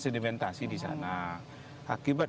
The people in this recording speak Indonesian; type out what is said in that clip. sedimentasi di sana akibat